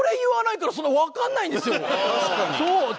確かに。